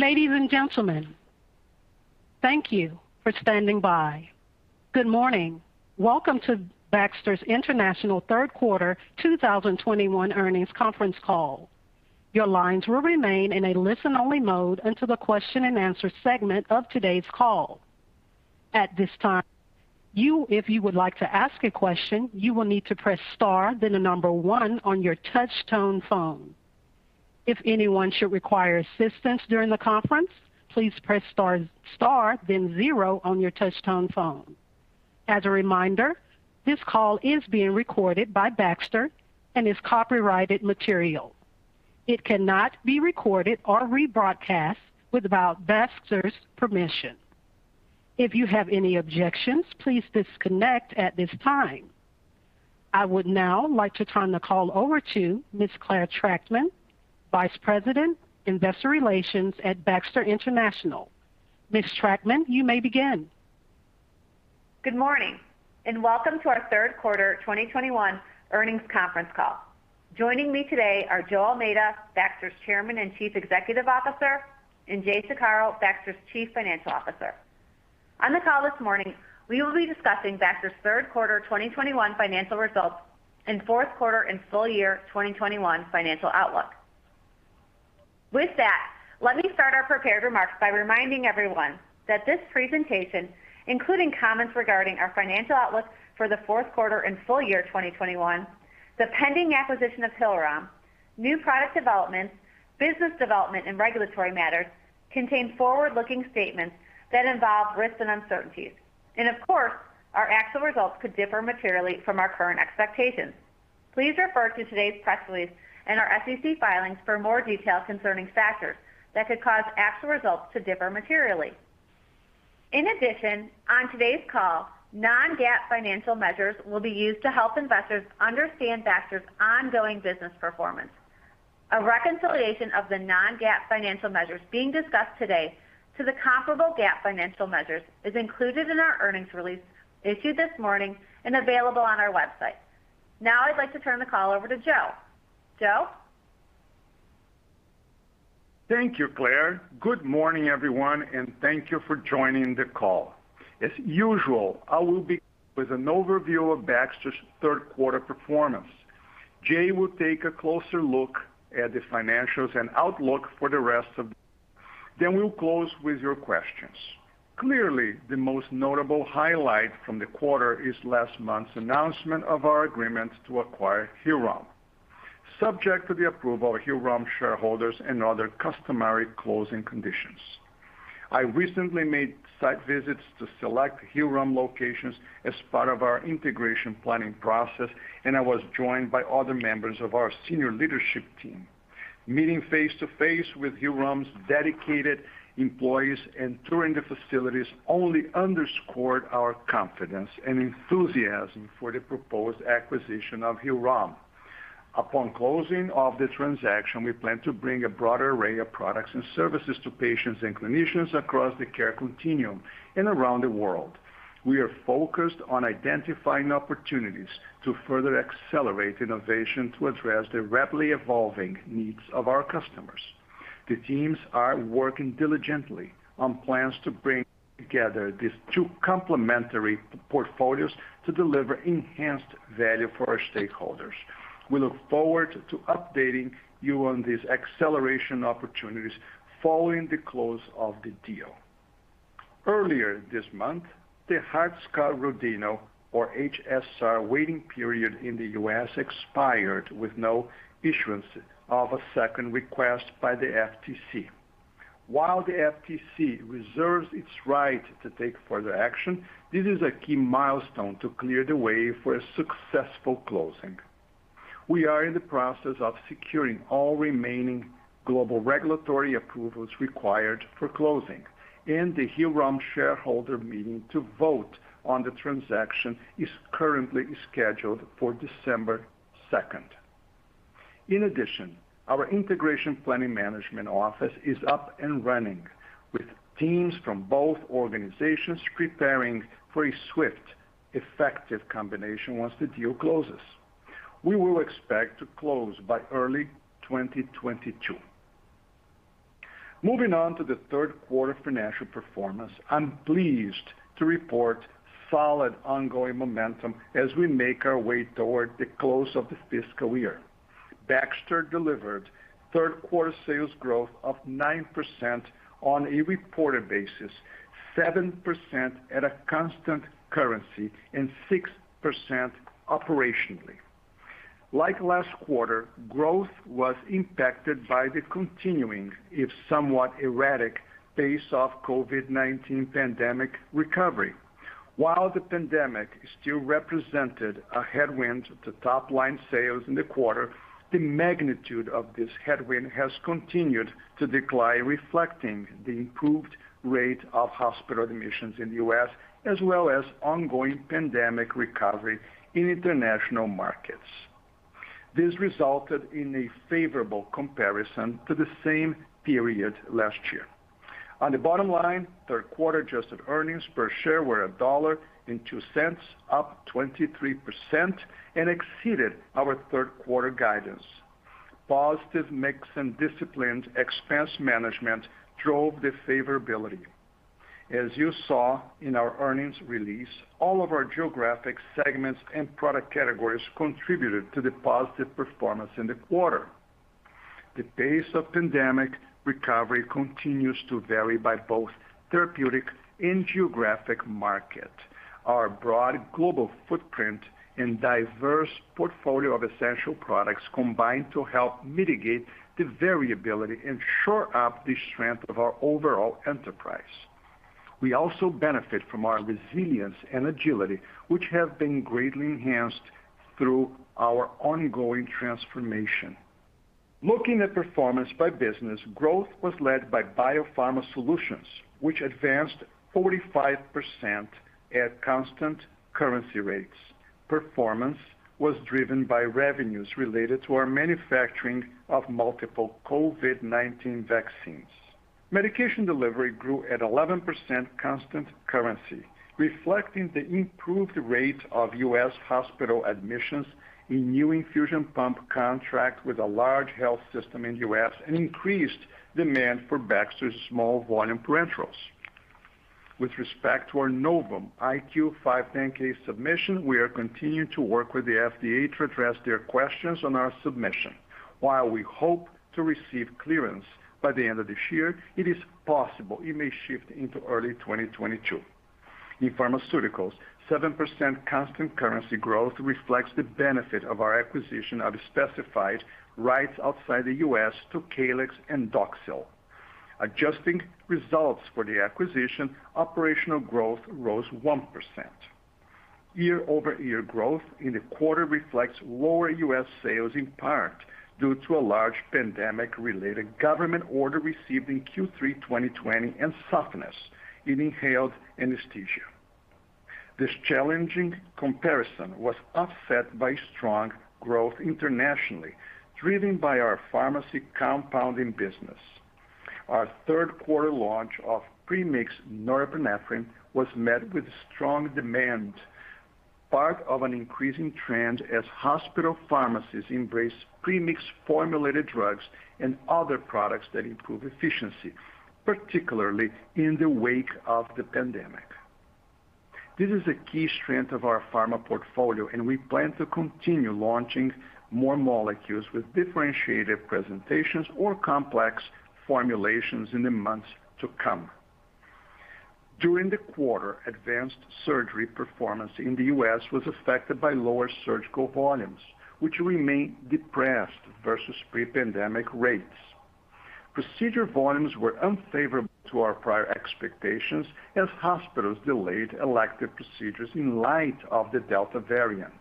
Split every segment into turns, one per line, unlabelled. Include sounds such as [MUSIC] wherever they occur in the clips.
Ladies and gentlemen, thank you for standing by. Good morning. Welcome to Baxter International's third quarter 2021 earnings conference call. Your lines will remain in a listen-only mode until the question-and-answer segment of today's call. At this time, if you would like to ask a question, you will need to press star, then number one on your touch-tone phone. If anyone should require assistance during the conference, please press star, then zero on your touch-tone phone. As a reminder, this call is being recorded by Baxter and is copyrighted material. It cannot be recorded or rebroadcast without Baxter's permission. If you have any objections, please disconnect at this time. I would now like to turn the call over to Ms. Clare Trachtman, Vice President, Investor Relations at Baxter International. Ms. Trachtman, you may begin.
Good morning, and welcome to our third quarter 2021 earnings conference call. Joining me today are Joe Almeida, Baxter's Chairman and Chief Executive Officer, and Jay Saccaro, Baxter's Chief Financial Officer. On the call this morning, we will be discussing Baxter's third quarter 2021 financial results and fourth quarter and full year 2021 financial outlook. With that, let me start our prepared remarks by reminding everyone that this presentation, including comments regarding our financial outlook for the fourth quarter and full year 2021, the pending acquisition of Hillrom, new product developments, business development and regulatory matters, contain forward-looking statements that involve risks and uncertainties. Of course, our actual results could differ materially from our current expectations. Please refer to today's press release and our SEC filings for more details concerning factors that could cause actual results to differ materially. In addition, on today's call, non-GAAP financial measures will be used to help investors understand Baxter's ongoing business performance. A reconciliation of the non-GAAP financial measures being discussed today to the comparable GAAP financial measures is included in our earnings release issued this morning and available on our website. Now I'd like to turn the call over to Joe. Joe?
Thank you, Clare. Good morning, everyone, and thank you for joining the call. As usual, I will begin with an overview of Baxter's third quarter performance. Jay will take a closer look at the financials and outlook for the rest of the year. Then we'll close with your questions. Clearly, the most notable highlight from the quarter is last month's announcement of our agreement to acquire Hillrom, subject to the approval of Hillrom shareholders and other customary closing conditions. I recently made site visits to select Hillrom locations as part of our integration planning process, and I was joined by other members of our senior leadership team. Meeting face to face with Hillrom's dedicated employees and touring the facilities only underscored our confidence and enthusiasm for the proposed acquisition of Hillrom. Upon closing of the transaction, we plan to bring a broader array of products and services to patients and clinicians across the care continuum and around the world. We are focused on identifying opportunities to further accelerate innovation to address the rapidly evolving needs of our customers. The teams are working diligently on plans to bring together these two complementary portfolios to deliver enhanced value for our stakeholders. We look forward to updating you on these acceleration opportunities following the close of the deal. Earlier this month, the Hart-Scott-Rodino, or HSR waiting period in the U.S. expired with no issuance of a second request by the FTC. While the FTC reserves its right to take further action, this is a key milestone to clear the way for a successful closing. We are in the process of securing all remaining global regulatory approvals required for closing, and the Hillrom shareholder meeting to vote on the transaction is currently scheduled for December 2. In addition, our integration planning management office is up and running with teams from both organizations preparing for a swift, effective combination once the deal closes. We will expect to close by early 2022. Moving on to the third quarter financial performance, I'm pleased to report solid ongoing momentum as we make our way toward the close of the fiscal year. Baxter delivered third-quarter sales growth of 9% on a reported basis, 7% at a constant currency, and 6% operationally. Like last quarter, growth was impacted by the continuing, if somewhat erratic, pace of COVID-19 pandemic recovery. While the pandemic still represented a headwind to top-line sales in the quarter, the magnitude of this headwind has continued to decline, reflecting the improved rate of hospital admissions in the U.S. as well as ongoing pandemic recovery in international markets. This resulted in a favorable comparison to the same period last year. On the bottom line, third quarter adjusted earnings per share were $1.02, up 23%, and exceeded our third quarter guidance. Positive mix and disciplined expense management drove the favorability. As you saw in our earnings release, all of our geographic segments and product categories contributed to the positive performance in the quarter. The pace of pandemic recovery continues to vary by both therapeutic and geographic market. Our broad global footprint and diverse portfolio of essential products combine to help mitigate the variability and shore up the strength of our overall enterprise. We also benefit from our resilience and agility, which have been greatly enhanced through our ongoing transformation. Looking at performance by business, growth was led by BioPharma Solutions, which advanced 45% at constant currency rates. Performance was driven by revenues related to our manufacturing of multiple COVID-19 vaccines. Medication Delivery grew at 11% constant currency, reflecting the improved rate of U.S. hospital admissions and new infusion pump contracts with a large health system in U.S. and increased demand for Baxter's small volume parenterals. With respect to our Novum IQ 510(k) submission, we are continuing to work with the FDA to address their questions on our submission. While we hope to receive clearance by the end of this year, it is possible it may shift into early 2022. In Pharmaceuticals, 7% constant currency growth reflects the benefit of our acquisition of specified rights outside the U.S. to Caelyx and Doxil. Adjusting results for the acquisition, operational growth rose 1%. Year-over-year growth in the quarter reflects lower U.S. sales in part due to a large pandemic-related government order received in Q3 2020 and softness in inhaled anesthesia. This challenging comparison was offset by strong growth internationally, driven by our pharmacy compounding business. Our third quarter launch of premixed norepinephrine was met with strong demand, part of an increasing trend as hospital pharmacies embrace premixed formulated drugs and other products that improve efficiency, particularly in the wake of the pandemic. This is a key strength of our pharma portfolio, and we plan to continue launching more molecules with differentiated presentations or complex formulations in the months to come. During the quarter, Advanced Surgery performance in the U.S. was affected by lower surgical volumes, which remain depressed versus pre-pandemic rates. Procedure volumes were unfavorable to our prior expectations as hospitals delayed elective procedures in light of the Delta variant.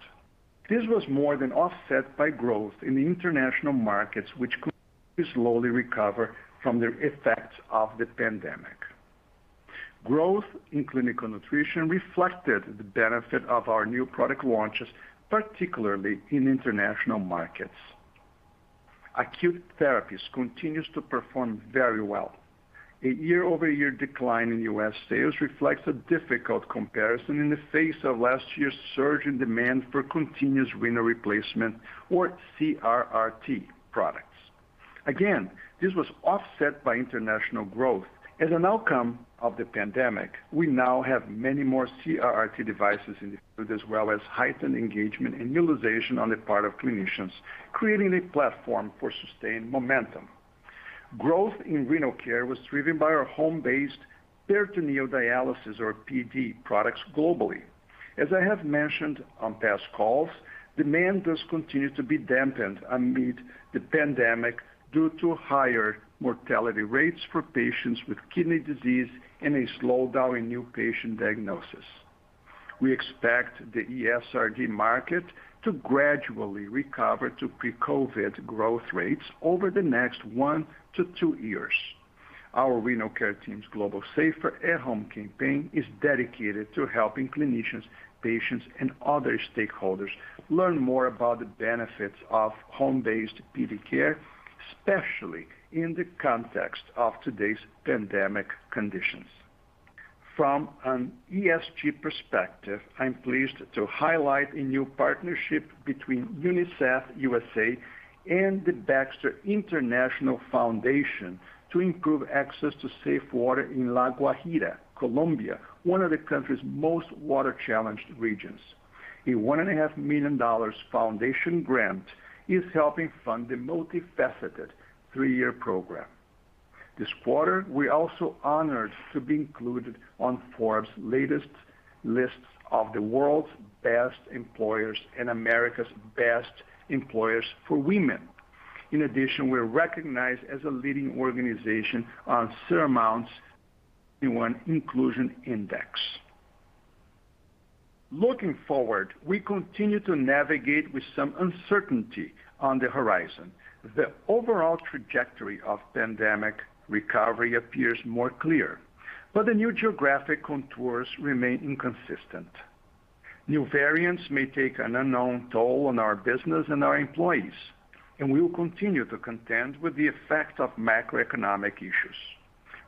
This was more than offset by growth in the international markets, which continue to slowly recover from the effects of the pandemic. Growth in Clinical Nutrition reflected the benefit of our new product launches, particularly in international markets. Acute Therapies continues to perform very well. A year-over-year decline in U.S. sales reflects a difficult comparison in the face of last year's surge in demand for continuous renal replacement or CRRT products. Again, this was offset by international growth. As an outcome of the pandemic, we now have many more CRRT devices in the field, as well as heightened engagement and utilization on the part of clinicians, creating a platform for sustained momentum. Growth in Renal Care was driven by our home-based peritoneal dialysis or PD products globally. As I have mentioned on past calls, demand does continue to be dampened amid the pandemic due to higher mortality rates for patients with kidney disease and a slowdown in new patient diagnosis. We expect the ESRD market to gradually recover to pre-COVID growth rates over the next one to two years. Our Renal Care team's Global Safer at Home campaign is dedicated to helping clinicians, patients, and other stakeholders learn more about the benefits of home-based PD care, especially in the context of today's pandemic conditions. From an ESG perspective, I'm pleased to highlight a new partnership between UNICEF USA and the Baxter International Foundation to improve access to safe water in La Guajira, Colombia, one of the country's most water-challenged regions. A $1.5 million foundation grant is helping fund the multifaceted three-year program. This quarter, we're also honored to be included on Forbes' latest lists of the World's Best Employers and America's Best Employers for women. In addition, we're recognized as a leading organization on Seramount's 2021 Inclusion Index. Looking forward, we continue to navigate with some uncertainty on the horizon. The overall trajectory of pandemic recovery appears more clear, but the new geographic contours remain inconsistent. New variants may take an unknown toll on our business and our employees, and we will continue to contend with the effects of macroeconomic issues.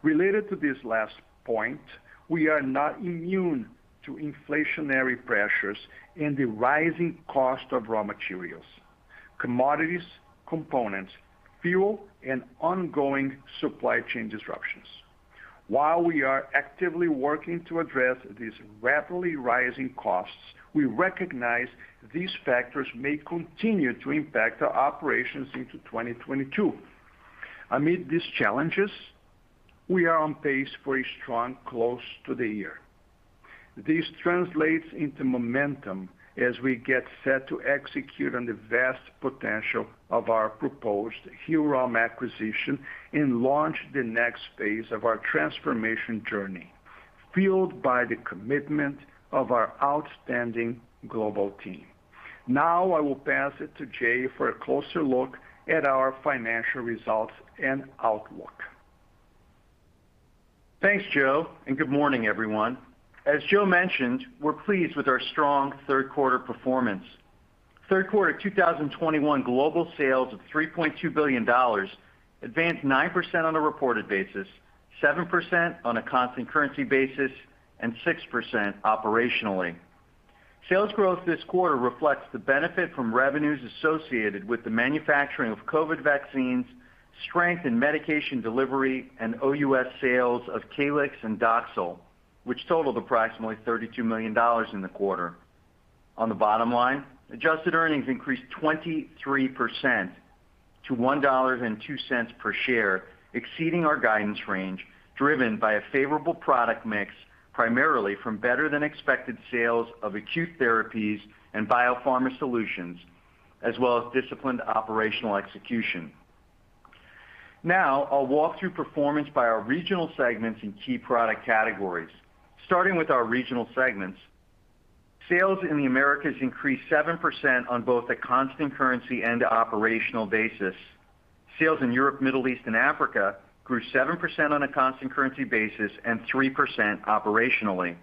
Related to this last point, we are not immune to inflationary pressures and the rising cost of raw materials, commodities, components, fuel, and ongoing supply chain disruptions. While we are actively working to address these rapidly rising costs, we recognize these factors may continue to impact our operations into 2022. Amid these challenges, we are on pace for a strong close to the year. This translates into momentum as we get set to execute on the vast potential of our proposed Hillrom acquisition and launch the next phase of our transformation journey, fueled by the commitment of our outstanding global team. Now, I will pass it to Jay for a closer look at our financial results and outlook.
Thanks, Joe, and good morning, everyone. As Joe mentioned, we're pleased with our strong third quarter performance. Third quarter 2021 global sales of $3.2 billion advanced 9% on a reported basis, 7% on a constant currency basis, and 6% operationally. Sales growth this quarter reflects the benefit from revenues associated with the manufacturing of COVID vaccines, strength in Medication Delivery, and OUS sales of Caelyx and Doxil, which totaled approximately $32 million in the quarter. On the bottom line, adjusted earnings increased 23% to $1.02 per share, exceeding our guidance range, driven by a favorable product mix, primarily from better-than-expected sales of Acute Therapies and BioPharma Solutions, as well as disciplined operational execution. Now, I'll walk through performance by our regional segments and key product categories. Starting with our regional segments, sales in the Americas increased 7% on both a constant currency and operational basis. Sales in Europe, Middle East, and Africa grew 7% on a constant currency basis and 3% operationally.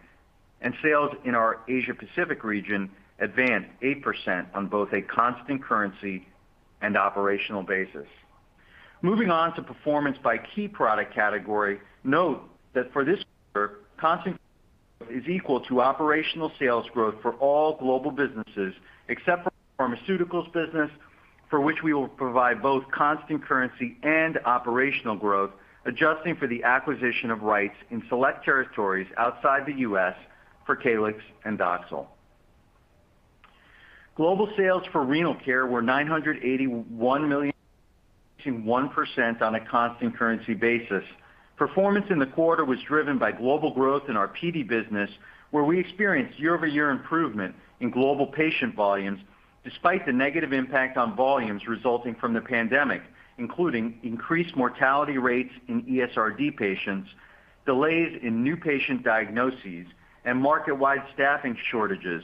Sales in our Asia-Pacific region advanced 8% on both a constant currency and operational basis. Moving on to performance by key product category, note that for this quarter, constant currency is equal to operational sales growth for all global businesses, except for Pharmaceuticals business, for which we will provide both constant currency and operational growth, adjusting for the acquisition of rights in select territories outside the U.S. for Caelyx and Doxil. Global sales for Renal Care were $981 million, increasing 1% on a constant currency basis. Performance in the quarter was driven by global growth in our PD business, where we experienced year-over-year improvement in global patient volumes despite the negative impact on volumes resulting from the pandemic, including increased mortality rates in ESRD patients, delays in new patient diagnoses, and market-wide staffing shortages.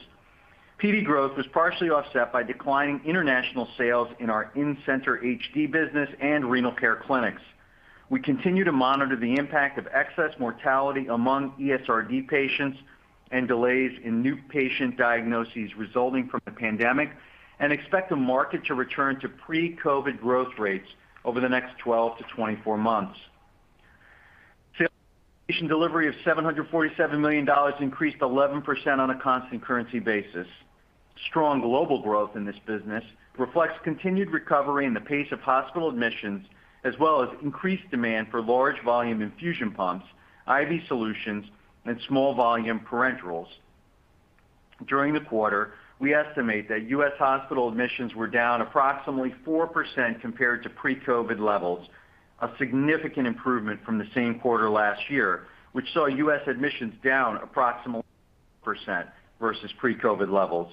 PD growth was partially offset by declining international sales in our in-center HD business and Renal Care clinics. We continue to monitor the impact of excess mortality among ESRD patients and delays in new patient diagnoses resulting from the pandemic and expect the market to return to pre-COVID growth rates over the next 12-24 months. Sales in Medication Delivery of $747 million increased 11% on a constant currency basis. Strong global growth in this business reflects continued recovery in the pace of hospital admissions as well as increased demand for large volume infusion pumps, IV solutions, and small volume parenterals. During the quarter, we estimate that U.S. hospital admissions were down approximately 4% compared to pre-COVID levels, a significant improvement from the same quarter last year, which saw U.S. admissions down approximately 20% versus pre-COVID levels.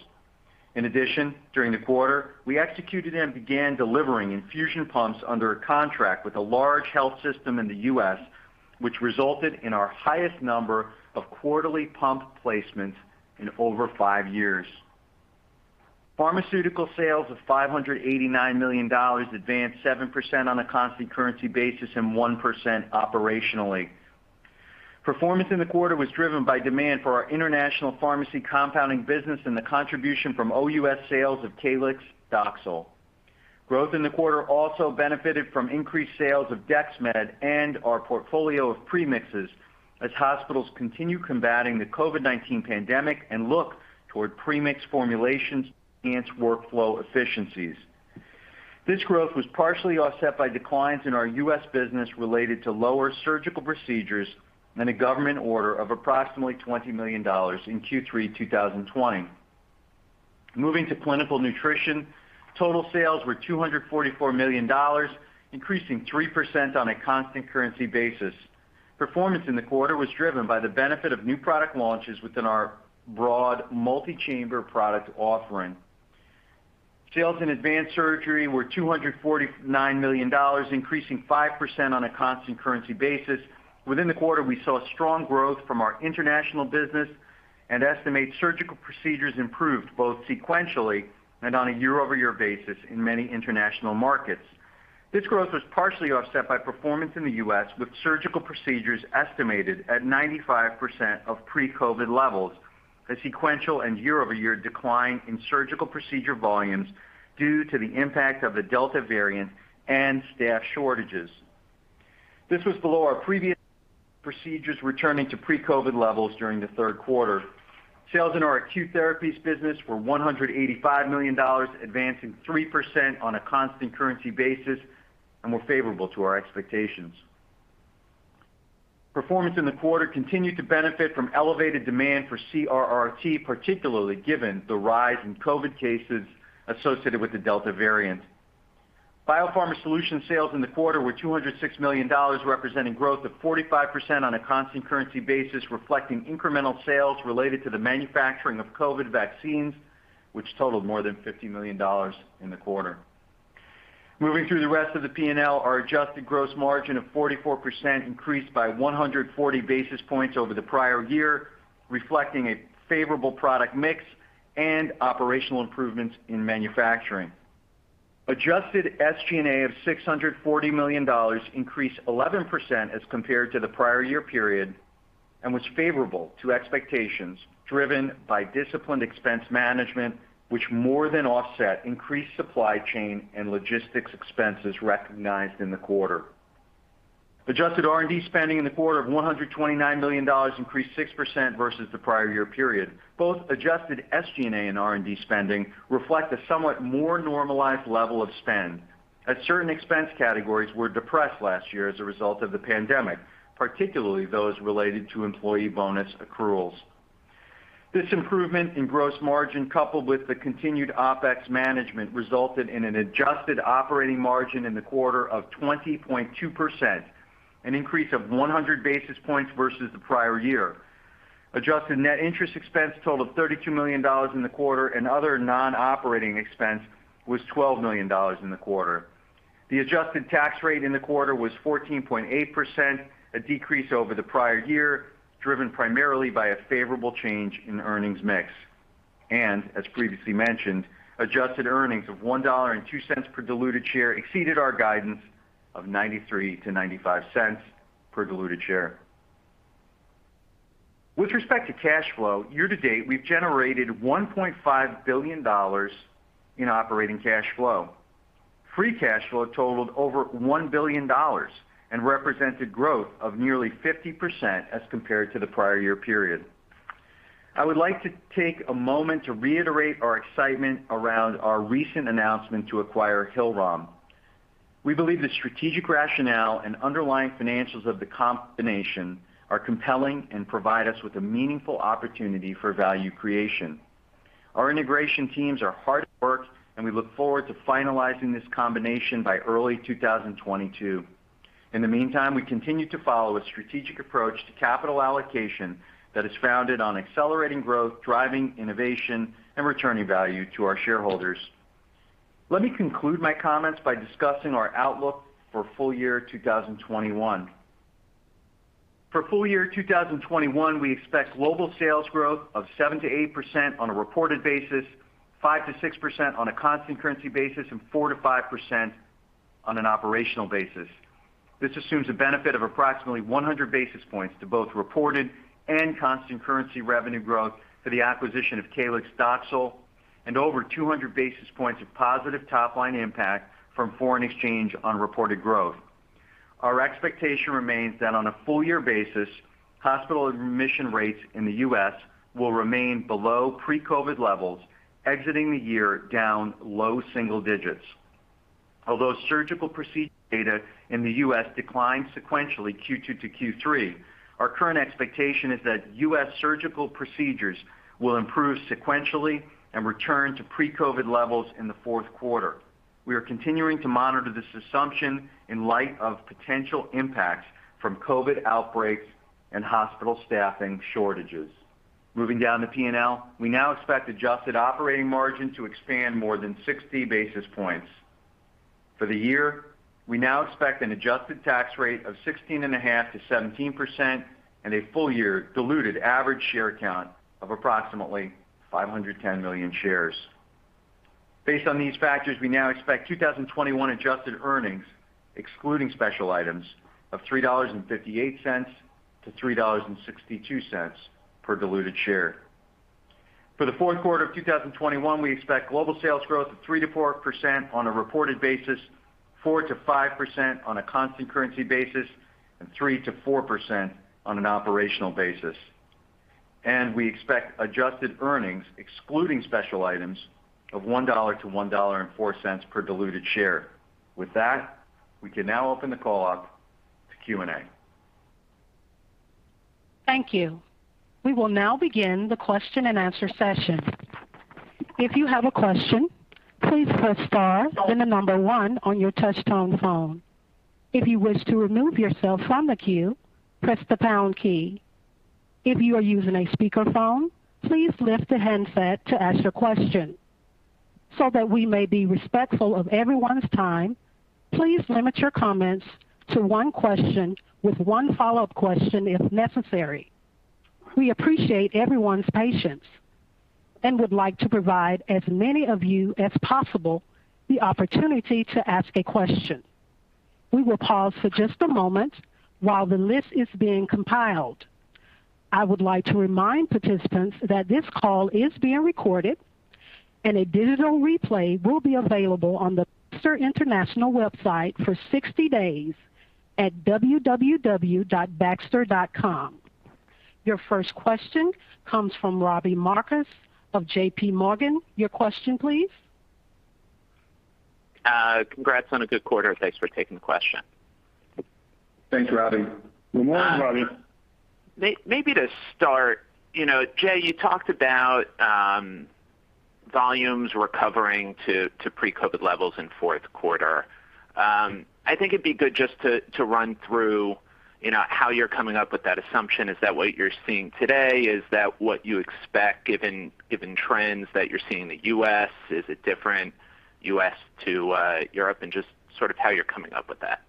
In addition, during the quarter, we executed and began delivering infusion pumps under a contract with a large health system in the U.S., which resulted in our highest number of quarterly pump placements in over five years. Pharmaceutical sales of $589 million advanced 7% on a constant currency basis and 1% operationally. Performance in the quarter was driven by demand for our international pharmacy compounding business and the contribution from OUS sales of Caelyx, Doxil. Growth in the quarter also benefited from increased sales of Dexmed and our portfolio of premixes as hospitals continue combating the COVID-19 pandemic and look toward premix formulations to enhance workflow efficiencies. This growth was partially offset by declines in our U.S. business related to lower surgical procedures and a government order of approximately $20 million in Q3 2020. Moving to Clinical Nutrition, total sales were $244 million, increasing 3% on a constant currency basis. Performance in the quarter was driven by the benefit of new product launches within our broad multi-chamber product offering. Sales in Advanced Surgery were $249 million, increasing 5% on a constant currency basis. Within the quarter, we saw strong growth from our international business and estimate surgical procedures improved both sequentially and on a year-over-year basis in many international markets. This growth was partially offset by performance in the U.S., with surgical procedures estimated at 95% of pre-COVID levels, a sequential and year-over-year decline in surgical procedure volumes due to the impact of the Delta variant and staff shortages. This was below our previous procedures returning to pre-COVID levels during the third quarter. Sales in our Acute Therapies business were $185 million, advancing 3% on a constant currency basis and were favorable to our expectations. Performance in the quarter continued to benefit from elevated demand for CRRT, particularly given the rise in COVID cases associated with the Delta variant. BioPharma Solutions sales in the quarter were $206 million, representing growth of 45% on a constant currency basis, reflecting incremental sales related to the manufacturing of COVID vaccines, which totaled more than $50 million in the quarter. Moving through the rest of the P&L, our adjusted gross margin of 44% increased by 140 basis points over the prior year, reflecting a favorable product mix and operational improvements in manufacturing. Adjusted SG&A of $640 million increased 11% as compared to the prior year period, and was favorable to expectations driven by disciplined expense management, which more than offset increased supply chain and logistics expenses recognized in the quarter. Adjusted R&D spending in the quarter of $129 million increased 6% versus the prior year period. Both adjusted SG&A and R&D spending reflect a somewhat more normalized level of spend, as certain expense categories were depressed last year as a result of the pandemic, particularly those related to employee bonus accruals. This improvement in gross margin, coupled with the continued OpEx management, resulted in an adjusted operating margin in the quarter of 20.2%, an increase of 100 basis points versus the prior year. Adjusted net interest expense totaled $32 million in the quarter, and other non-operating expense was $12 million in the quarter. The adjusted tax rate in the quarter was 14.8%, a decrease over the prior year, driven primarily by a favorable change in earnings mix. As previously mentioned, adjusted earnings of $1.02 per diluted share exceeded our guidance of $0.93-$0.95 per diluted share. With respect to cash flow, year to date, we've generated $1.5 billion in operating cash flow. Free cash flow totaled over $1 billion and represented growth of nearly 50% as compared to the prior year period. I would like to take a moment to reiterate our excitement around our recent announcement to acquire Hillrom. We believe the strategic rationale and underlying financials of the combination are compelling and provide us with a meaningful opportunity for value creation. Our integration teams are hard at work, and we look forward to finalizing this combination by early 2022. In the meantime, we continue to follow a strategic approach to capital allocation that is founded on accelerating growth, driving innovation, and returning value to our shareholders. Let me conclude my comments by discussing our outlook for full year 2021. For full year 2021, we expect global sales growth of 7%-8% on a reported basis, 5%-6% on a constant currency basis, and 4%-5% on an operational basis. This assumes a benefit of approximately 100 basis points to both reported and constant currency revenue growth for the acquisition of Caelyx/Doxil and over 200 basis points of positive top-line impact from foreign exchange on reported growth. Our expectation remains that on a full year basis, hospital admission rates in the U.S. will remain below pre-COVID levels, exiting the year down low single digits. Although surgical procedure data in the U.S. declined sequentially Q2 to Q3, our current expectation is that U.S. surgical procedures will improve sequentially and return to pre-COVID levels in the fourth quarter. We are continuing to monitor this assumption in light of potential impacts from COVID outbreaks and hospital staffing shortages. Moving down the P&L, we now expect adjusted operating margin to expand more than 60 basis points. For the year, we now expect an adjusted tax rate of 16.5%-17% and a full year diluted average share count of approximately 510 million shares. Based on these factors, we now expect 2021 adjusted earnings, excluding special items of $3.58-$3.62 per diluted share. For the fourth quarter of 2021, we expect global sales growth of 3%-4% on a reported basis, 4%-5% on a constant currency basis, and 3%-4% on an operational basis. We expect adjusted earnings, excluding special items of $1-$1.04 per diluted share. With that, we can now open the call up to Q&A.
Thank you. We will now begin the question-and-answer session. If you have a question, please press star then number one on your touch-tone phone. If you wish to remove yourself from the queue, press the pound key. If you are using a speakerphone, please lift the handset to ask your question. So that we may be respectful of everyone's time, please limit your comments to one question with one follow-up question if necessary. We appreciate everyone's patience. We would like to provide as many of you as possible the opportunity to ask a question. We will pause for just a moment while the list is being compiled. I would like to remind participants that this call is being recorded and a digital replay will be available on the Baxter International website for 60 days at www.baxter.com. Your first question comes from Robbie Marcus of JPMorgan. Your question, please.
Congrats on a good quarter. Thanks for taking the question.
Thanks, Robbie.
Good morning, Robbie.
Maybe to start, you know, Jay, you talked about volumes recovering to pre-COVID levels in fourth quarter. I think it'd be good just to run through, you know, how you're coming up with that assumption. Is that what you're seeing today? Is that what you expect given trends that you're seeing in the U.S.? Is it different U.S. to Europe? Just sort of how you're coming up with that.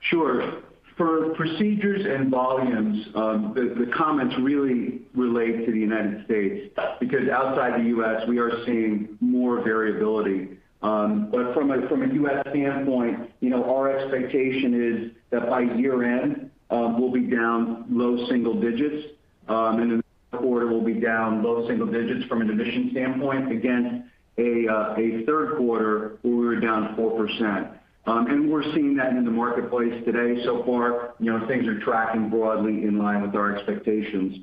Sure. For procedures and volumes, the comments really relate to the United States because outside the U.S. we are seeing more variability. From a U.S. standpoint, you know, our expectation is that by year-end, we'll be down low single digits, and the quarter will be down low single digits from an admissions standpoint against a third quarter where we were down 4%. We're seeing that in the marketplace today so far. You know, things are tracking broadly in line with our expectations.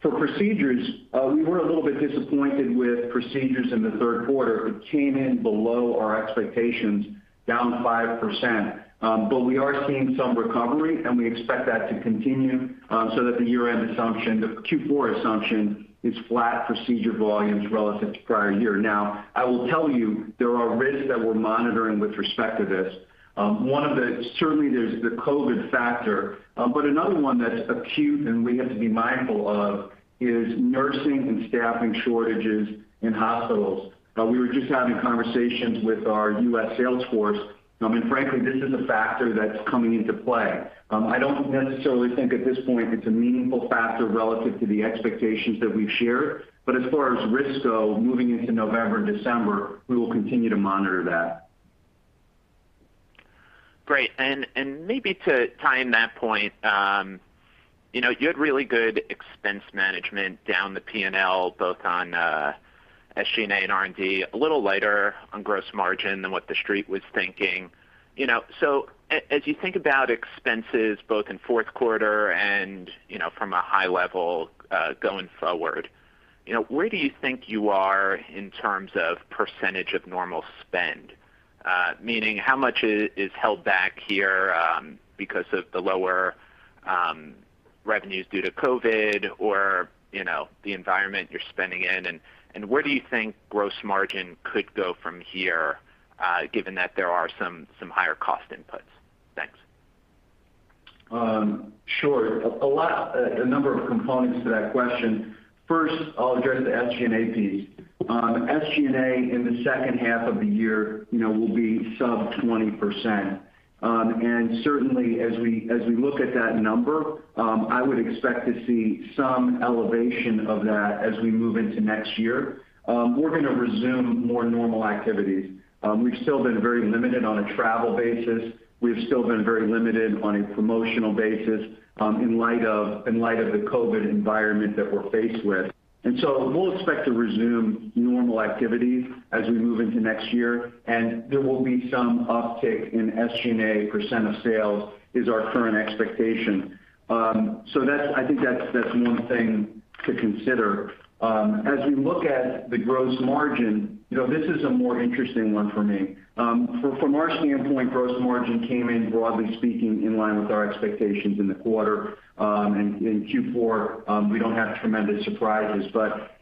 For procedures, we were a little bit disappointed with procedures in the third quarter. It came in below our expectations, down 5%. We are seeing some recovery, and we expect that to continue, so that the year-end assumption, the Q4 assumption is flat procedure volumes relative to prior year. Now, I will tell you there are risks that we're monitoring with respect to this. Certainly there's the COVID factor, but another one that's acute and we have to be mindful of is nursing and staffing shortages in hospitals. We were just having conversations with our U.S. sales force. I mean, frankly, this is a factor that's coming into play. I don't necessarily think at this point it's a meaningful factor relative to the expectations that we've shared. As far as risks go, moving into November and December, we will continue to monitor that.
Great. Maybe to tie in that point, you know, you had really good expense management down the P&L both on SG&A and R&D, a little lighter on gross margin than what the street was thinking. You know, as you think about expenses both in fourth quarter and, you know, from a high level, going forward, you know, where do you think you are in terms of percentage of normal spend? Meaning how much is held back here, because of the lower revenues due to COVID or, you know, the environment you're spending in? Where do you think gross margin could go from here, given that there are some higher cost inputs? Thanks.
Sure. A number of components to that question. First, I'll address the SG&A piece. SG&A in the second half of the year, you know, will be sub-20%. Certainly as we look at that number, I would expect to see some elevation of that as we move into next year. We're gonna resume more normal activities. We've still been very limited on a travel basis. We've still been very limited on a promotional basis, in light of the COVID environment that we're faced with. We'll expect to resume normal activities as we move into next year, and there will be some uptick in SG&A percent of sales, is our current expectation. I think that's one thing to consider. As we look at the gross margin, you know, this is a more interesting one for me. From our standpoint, gross margin came in, broadly speaking, in line with our expectations in the quarter. In Q4, we don't have tremendous surprises.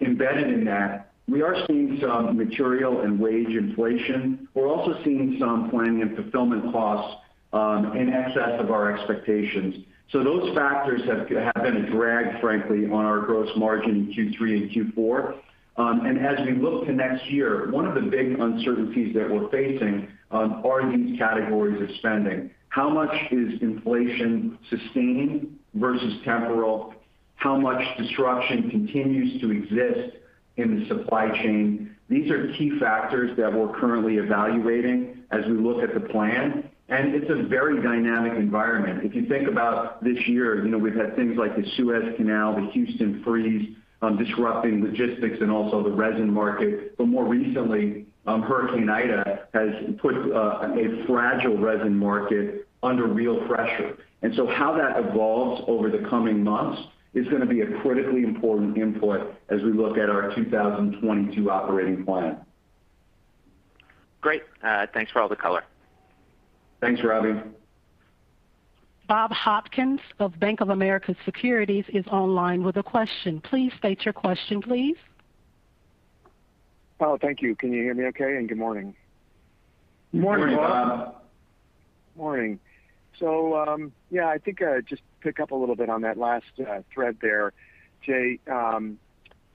Embedded in that, we are seeing some material and wage inflation. We're also seeing some planning and fulfillment costs in excess of our expectations. Those factors have been a drag, frankly, on our gross margin in Q3 and Q4. As we look to next year, one of the big uncertainties that we're facing are in these categories of spending. How much is inflation sustaining versus temporal? How much disruption continues to exist in the supply chain? These are key factors that we're currently evaluating as we look at the plan, and it's a very dynamic environment. If you think about this year, you know, we've had things like the Suez Canal, the Houston freeze, disrupting logistics and also the resin market. But more recently, Hurricane Ida has put a fragile resin market under real pressure. How that evolves over the coming months is gonna be a critically important input as we look at our 2022 operating plan.
Great. Thanks for all the color.
Thanks, Robbie.
Bob Hopkins of Bank of America Securities is online with a question. Please state your question, please.
Oh, thank you. Can you hear me okay? Good morning.
Good morning, Bob.
Morning. I think I just pick up a little bit on that last thread there. Jay,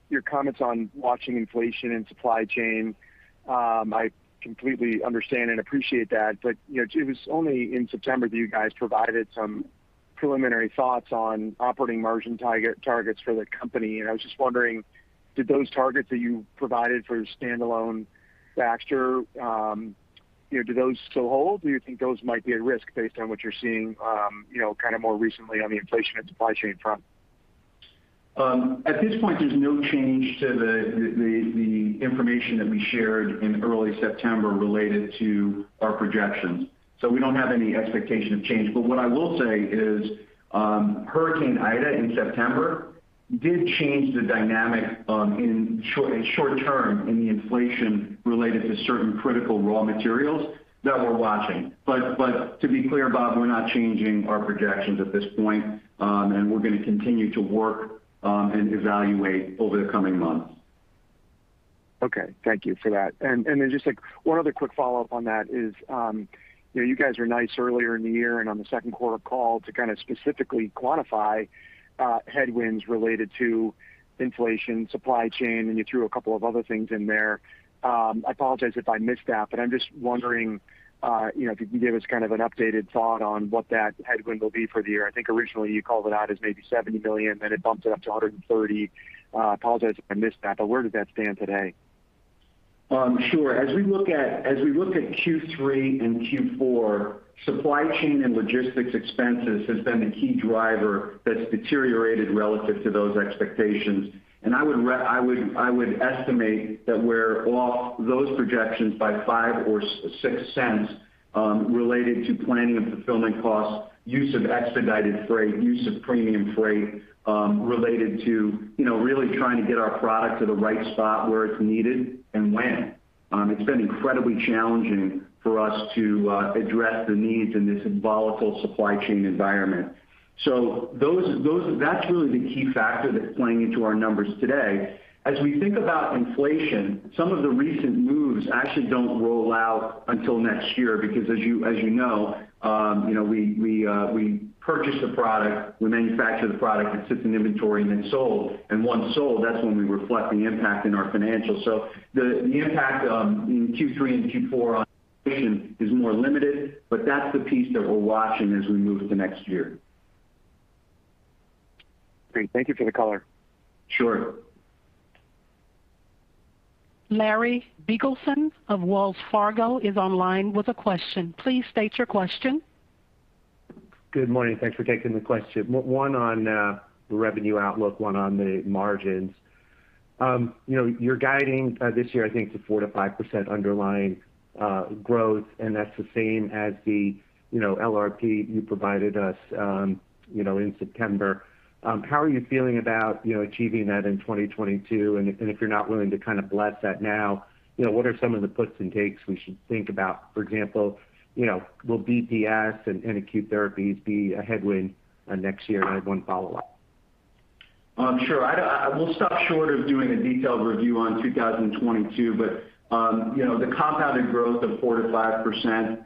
your comments on watching inflation and supply chain, I completely understand and appreciate that. It was only in September that you guys provided some preliminary thoughts on operating margin target, targets for the company. I was just wondering, did those targets that you provided for standalone Baxter, you know, do those still hold or do you think those might be at risk based on what you're seeing, you know, kind of more recently on the inflation and supply chain front?
At this point, there's no change to the information that we shared in early September related to our projections. We don't have any expectation of change. What I will say is, Hurricane Ida in September did change the dynamic in the short-term in the inflation related to certain critical raw materials that we're watching. To be clear, Bob, we're not changing our projections at this point, and we're gonna continue to work and evaluate over the coming months.
Okay, thank you for that. Just like one other quick follow-up on that is, you know, you guys were nice earlier in the year and on the second quarter call to kind of specifically quantify headwinds related to inflation, supply chain, and you threw a couple of other things in there. I apologize if I missed that, but I'm just wondering, you know, if you could give us kind of an updated thought on what that headwind will be for the year. I think originally you called it out as maybe $70 million, then it bumped it up to $130 million. Apologize if I missed that, but where does that stand today?
Sure. As we look at Q3 and Q4, supply chain and logistics expenses has been the key driver that's deteriorated relative to those expectations. I would estimate that we're off those projections by $0.05 or $0.06, related to planning and fulfillment costs, use of expedited freight, use of premium freight, related to, you know, really trying to get our product to the right spot where it's needed and when. It's been incredibly challenging for us to address the needs in this volatile supply chain environment. That's really the key factor that's playing into our numbers today. As we think about inflation, some of the recent moves actually don't roll out until next year because as you know, you know, we purchase a product, we manufacture the product, it sits in inventory and then sold. Once sold, that's when we reflect the impact in our financials. The impact in Q3 and Q4 on inflation is more limited, but that's the piece that we're watching as we move to next year.
Great. Thank you for the color.
Sure.
Larry Biegelsen of Wells Fargo is online with a question. Please state your question.
Good morning. Thanks for taking the question. One on the revenue outlook, one on the margins. You know, you're guiding this year, I think to 4%-5% underlying growth, and that's the same as the, you know, LRP you provided us, you know, in September. How are you feeling about, you know, achieving that in 2022? And if you're not willing to kind of bless that now, you know, what are some of the puts and takes we should think about? For example, you know, will BPS and Acute Therapies be a headwind next year? I have one follow-up.
Sure. I will stop short of doing a detailed review on 2022, but you know, the compound growth of 4%-5%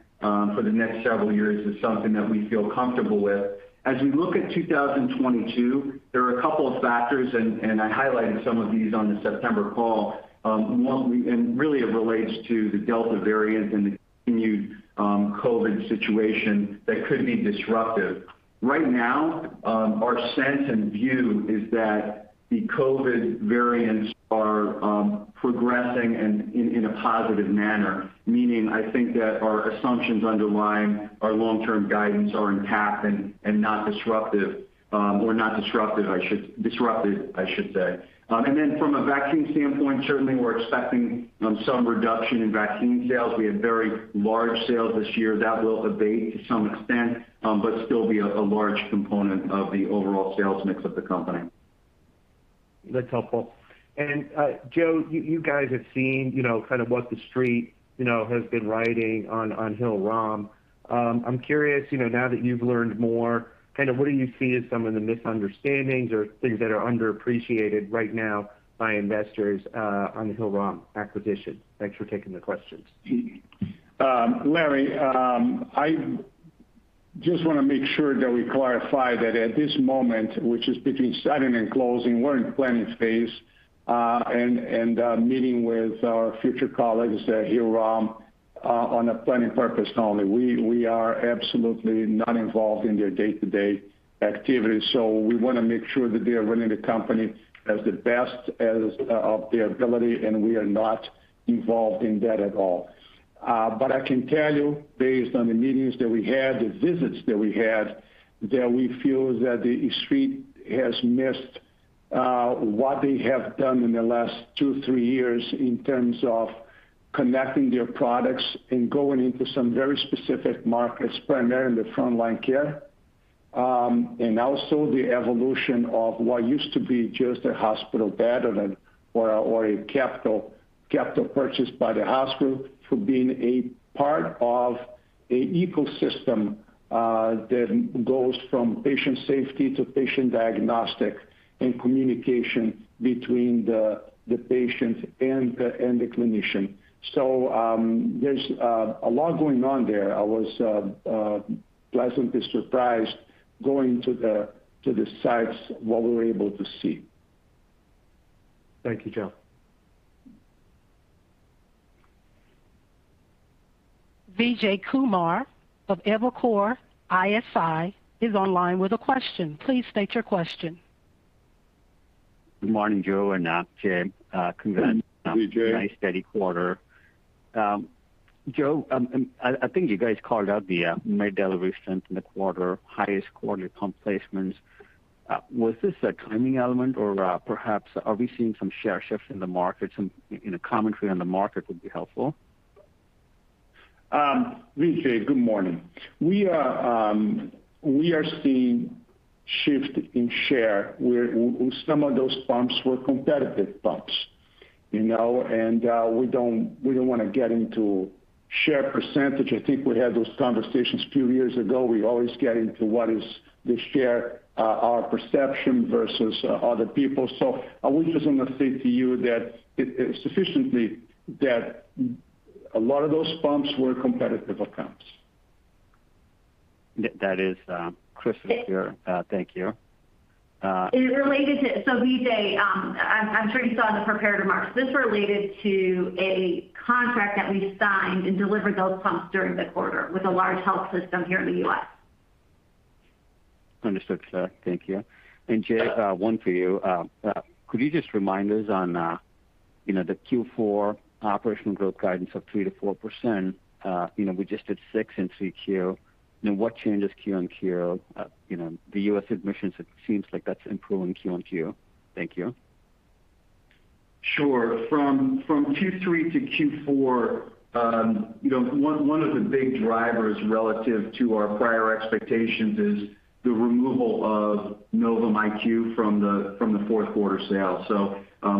for the next several years is something that we feel comfortable with. As we look at 2022, there are a couple of factors, and I highlighted some of these on the September call. One, and really it relates to the Delta variant and the continued COVID situation that could be disruptive. Right now, our sense and view is that the COVID variants are progressing in a positive manner, meaning I think that our assumptions underlying our long-term guidance are intact and not disruptive. From a vaccine standpoint, certainly we're expecting some reduction in vaccine sales. We had very large sales this year. That will abate to some extent, but still be a large component of the overall sales mix of the company.
That's helpful. Joe, you guys have seen, you know, kind of what the Street, you know, has been writing on Hillrom. I'm curious, you know, now that you've learned more, kind of what do you see as some of the misunderstandings or things that are underappreciated right now by investors on the Hillrom acquisition? Thanks for taking the questions.
Larry, I just want to make sure that we clarify that at this moment, which is between signing and closing, we're in planning phase and meeting with our future colleagues at Hillrom on a planning purpose only. We are absolutely not involved in their day-to-day activities. We want to make sure that they are running the company as the best as of their ability, and we are not involved in that at all. I can tell you based on the meetings that we had, the visits that we had, that we feel that the Street has missed what they have done in the last two, three years in terms of connecting their products and going into some very specific markets, primarily the frontline care. The evolution of what used to be just a hospital bed or a capital purchase by the hospital for being part of an ecosystem that goes from patient safety to patient diagnostic and communication between the patient and the clinician. There's a lot going on there. I was pleasantly surprised going to the sites what we were able to see.
Thank you, Joe.
Vijay Kumar of Evercore ISI is online with a question. Please state your question.
Good morning, Joe and Jay. Congrats-
Good morning, Vijay.
on a nice steady quarter. Joe, I think you guys called out the Med Delivery strength in the quarter, highest quarterly pump placements. Was this a timing element or perhaps are we seeing some share shifts in the market? Any commentary on the market would be helpful.
Vijay, good morning. We are seeing shift in share where some of those pumps were competitive pumps, you know, and we don't wanna get into share percentage. I think we had those conversations a few years ago. We always get into what is the share, our perception versus other people. I would just wanna say to you that it, sufficiently that a lot of those pumps were competitive accounts.
That is crystal clear. Thank you.
Vijay, I'm sure you saw in the prepared remarks. This related to a contract that we signed and delivered those pumps during the quarter with a large health system here in the U.S.
Understood, Clare. Thank you. Jay, one for you. Could you just remind us on, you know, the Q4 operational growth guidance of 3%-4%. You know, we just did 6% in 3Q. You know, what changes Q-on-Q? You know, the U.S. admissions, it seems like that's improving Q-on-Q. Thank you.
Sure. From Q3 to Q4, you know, one of the big drivers relative to our prior expectations is the removal of Novum IQ from the fourth quarter sales.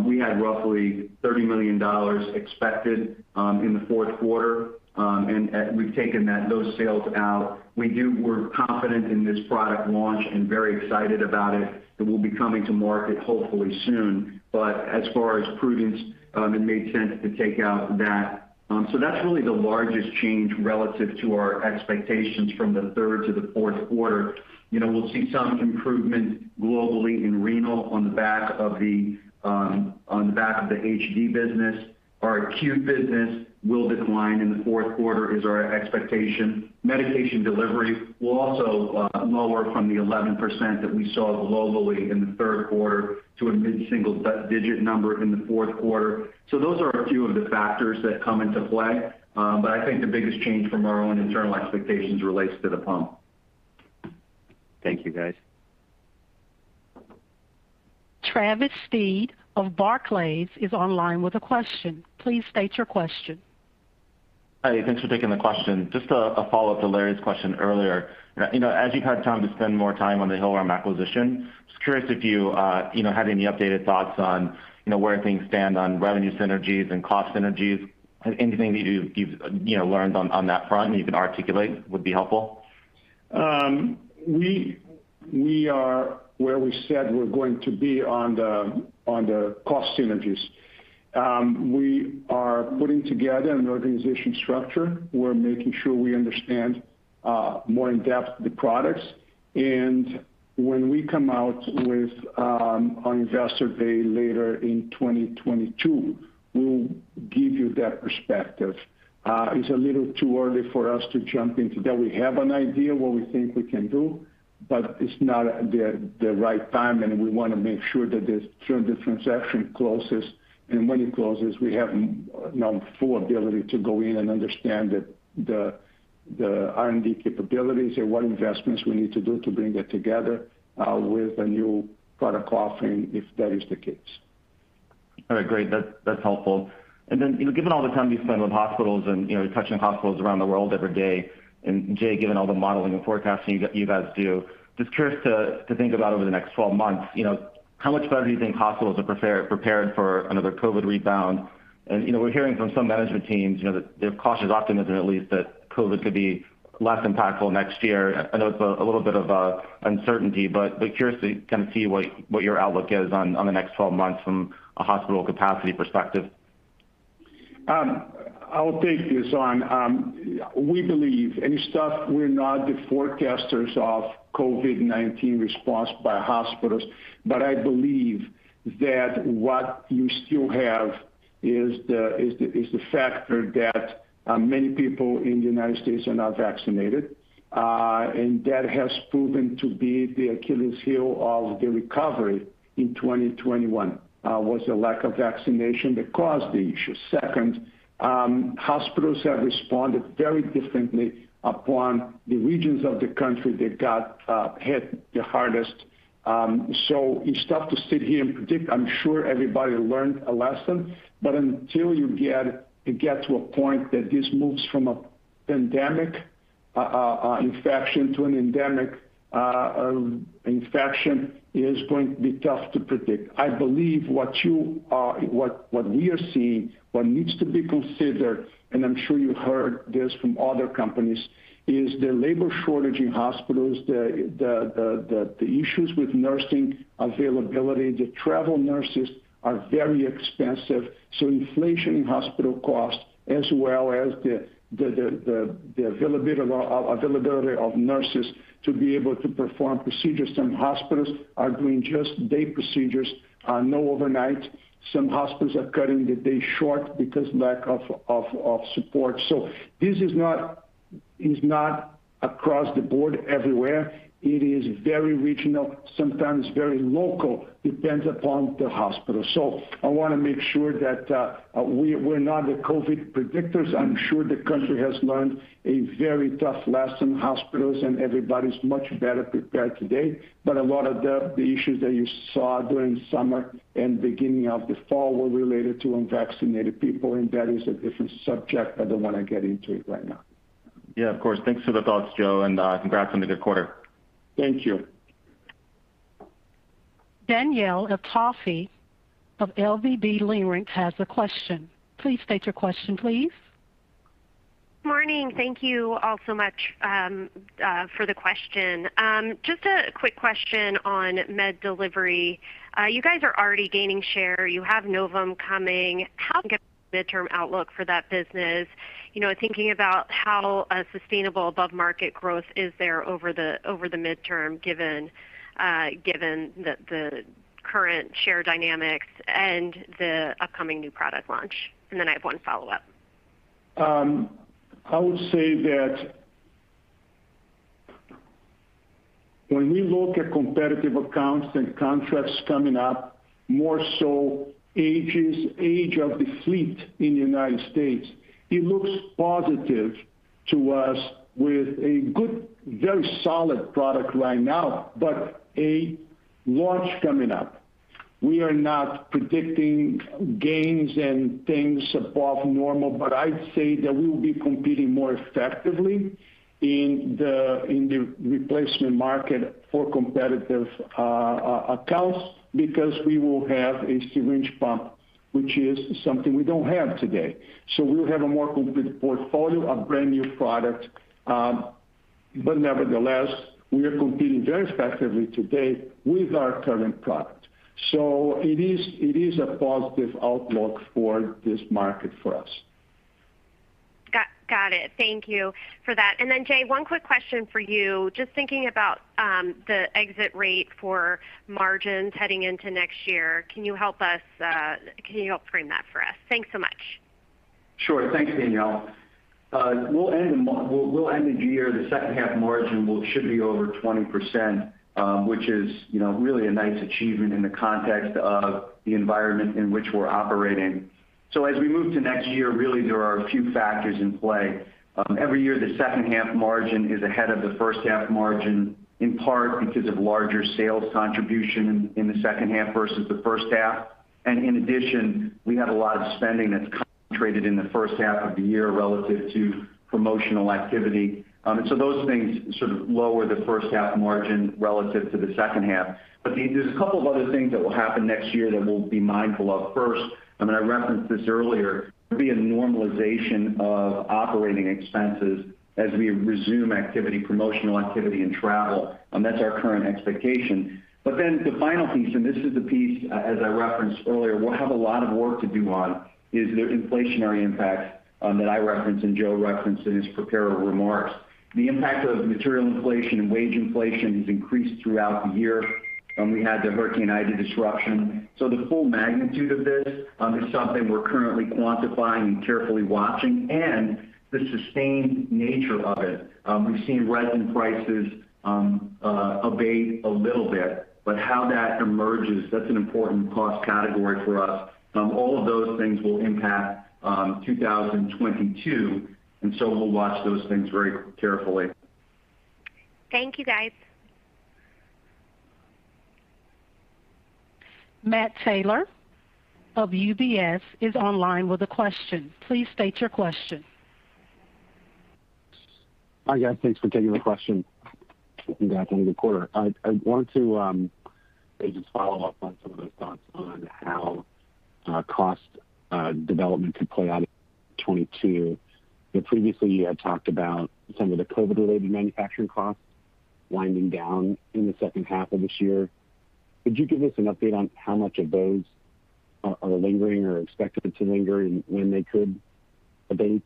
We had roughly $30 million expected in the fourth quarter. We've taken those sales out. We're confident in this product launch and very excited about it will be coming to market hopefully soon. As far as prudence, it made sense to take out that. That's really the largest change relative to our expectations from the third to the fourth quarter. You know, we'll see some improvement globally in Renal on the back of the HD business. Our Acute business will decline in the fourth quarter, is our expectation. Medication Delivery will also lower from the 11% that we saw globally in the third quarter to a mid-single-digit number in the fourth quarter. Those are a few of the factors that come into play. I think the biggest change from our own internal expectations relates to the pump.
Thank you, guys.
Travis Steed of Barclays is online with a question. Please state your question.
Hi, thanks for taking the question. Just a follow-up to Larry's question earlier. You know, as you've had time to spend more time on the Hillrom acquisition, just curious if you, you know, had any updated thoughts on, you know, where things stand on revenue synergies and cost synergies. Anything that you've, you know, learned on that front you can articulate would be helpful.
We are where we said we're going to be on the cost synergies. We are putting together an organizational structure. We're making sure we understand more in depth the products. When we come out with on Investor Day later in 2022, we'll give you that perspective. It's a little too early for us to jump into that. We have an idea what we think we can do, but it's not the right time, and we want to make sure that as soon as the transaction closes, and when it closes, we have you know full ability to go in and understand the R&D capabilities and what investments we need to do to bring that together with a new product offering, if that is the case.
All right, great. That's helpful. Then, you know, given all the time you spend with hospitals and, you know, touching hospitals around the world every day, and Jay, given all the modeling and forecasting you guys do, just curious to think about over the next 12 months, you know, how much better do you think hospitals are prepared for another COVID rebound? You know, we're hearing from some management teams, you know, that there's cautious optimism, at least, that COVID could be less impactful next year. I know it's a little bit of uncertainty, but curious to kinda see what your outlook is on the next 12 months from a hospital capacity perspective.
I'll take this on. We believe, and it's tough, we're not the forecasters of COVID-19 response by hospitals, but I believe that what you still have is the factor that many people in the United States are not vaccinated. That has proven to be the Achilles' heel of the recovery in 2021, was the lack of vaccination that caused the issue. Second, hospitals have responded very differently upon the regions of the country that got hit the hardest. It's tough to sit here and predict. I'm sure everybody learned a lesson, but until you get to a point that this moves from a pandemic infection to an endemic infection is going to be tough to predict. I believe what we are seeing, what needs to be considered, and I'm sure you heard this from other companies, is the labor shortage in hospitals, the issues with nursing availability. The travel nurses are very expensive, so inflation in hospital costs as well as the availability of nurses to be able to perform procedures. Some hospitals are doing just day procedures, no overnight. Some hospitals are cutting the day short because lack of support. This is not across the board everywhere. It is very regional, sometimes very local. Depends upon the hospital. I wanna make sure that we're not the COVID predictors. I'm sure the country has learned a very tough lesson. Hospitals and everybody's much better prepared today, but a lot of the issues that you saw during summer and beginning of the fall were related to unvaccinated people, and that is a different subject. I don't wanna get into it right now.
Yeah, of course. Thanks for the thoughts, Joe, and congrats on the good quarter.
Thank you.
Danielle Antalffy of SVB Leerink has a question. Please state your question, please.
Morning. Thank you all so much for the question. Just a quick question on Med Delivery. You guys are already gaining share. You have Novum coming. How to get midterm outlook for that business, you know, thinking about how a sustainable above market growth is there over the midterm, given the current share dynamics and the upcoming new product launch? Then I have one follow-up.
I would say that when we look at competitive accounts and contracts coming up, more so age of the fleet in the United States, it looks positive to us with a good, very solid product right now, but a launch coming up. We are not predicting gains and things above normal, but I'd say that we will be competing more effectively in the replacement market for competitive accounts because we will have a syringe pump, which is something we don't have today. We'll have a more complete portfolio of brand new product, but nevertheless, we are competing very effectively today with our current product. It is a positive outlook for this market for us.
Got it. Thank you for that. Jay, one quick question for you. Just thinking about the exit rate for margins heading into next year, can you help frame that for us? Thanks so much.
Sure. Thanks, Danielle. We'll end the year, the second half margin will should be over 20%, which is, you know, really a nice achievement in the context of the environment in which we're operating. As we move to next year, really there are a few factors in play. Every year, the second half margin is ahead of the first half margin, in part because of larger sales contribution in the second half versus the first half. In addition, we have a lot of spending that's concentrated in the first half of the year relative to promotional activity. Those things sort of lower the first half margin relative to the second half. There's a couple of other things that will happen next year that we'll be mindful of. First, I mean, I referenced this earlier, there'll be a normalization of operating expenses as we resume activity, promotional activity and travel. That's our current expectation. The final piece, as I referenced earlier, we'll have a lot of work to do on, is the inflationary impact, that I referenced and Joe referenced in his prepared remarks. The impact of material inflation and wage inflation has increased throughout the year, and we had the Hurricane Ida disruption. The full magnitude of this, is something we're currently quantifying and carefully watching, and the sustained nature of it. We've seen resin prices abate a little bit, but how that emerges, that's an important cost category for us. All of those things will impact 2022, and so we'll watch those things very carefully.
Thank you, guys.
Matt Taylor of UBS is online with a question. Please state your question.
Hi, guys. Thanks for taking the question. Congrats on the good quarter. I wanted to just follow up on some of those thoughts on how cost development could play out in 2022. You previously had talked about some of the COVID-related manufacturing costs winding down in the second half of this year. Could you give us an update on how much of those are lingering or expected to linger and when they could abate?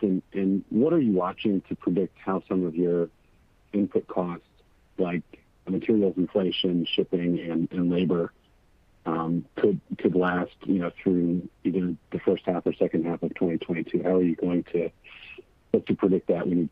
What are you watching to predict how some of your input costs, like materials inflation, shipping, and labor, could last, you know, through either the first half or second half of 2022? How are you hoping to predict that when-